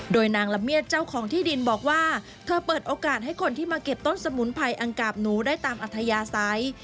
โดยนางละเมียดเจ้าของที่ดินบอกว่าเธอเปิดโอกาสให้คนที่มาเก็บต้นสมุนไพอังกาบหนูได้ตามอัธยาศัย